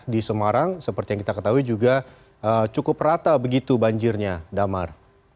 di semarang seperti yang kita ketahui juga cukup rata begitu banjirnya damar